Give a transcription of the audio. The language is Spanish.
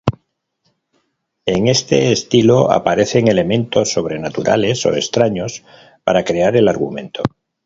En este estilo aparecen elementos sobrenaturales o extraños para crear el argumento.